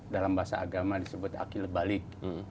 dalam bahasa agama disebut akil balik